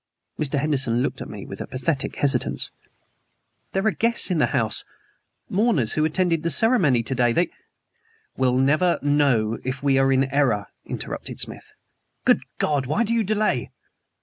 Mr. Henderson looked at me with pathetic hesitance. "There are guests in the house mourners who attended the ceremony to day. They " "Will never know, if we are in error," interrupted Smith. "Good God! why do you delay?"